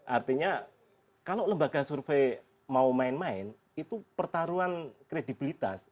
artinya kalau lembaga survei mau main main itu pertaruhan kredibilitas